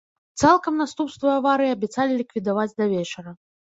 Цалкам наступствы аварыі абяцалі ліквідаваць да вечара.